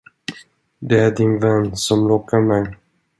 Det är din vän, som lockar mig.